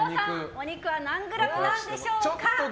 お肉は何グラムなんでしょうか。